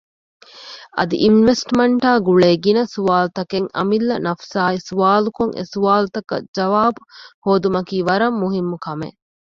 އަދި އިންވެސްޓްމަންޓާ ގުޅޭ ގިނަ ސުވާލުތަކެއް އަމިއްލަ ނަފުސާއި ސުވާލުކޮށް އެސުވާލުތަކަށް ޖަވާބު ހޯދުމަކީ ވަރަށް މުހިންމު ކަމެއް